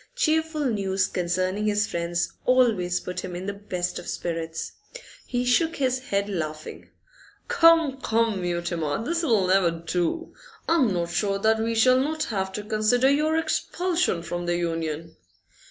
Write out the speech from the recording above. Cheerful news concerning his friends always put him in the best of spirits. He shook his head, laughing. 'Come, come, Mutimer, this'll never do! I'm not sure that we shall not have to consider your expulsion from the Union.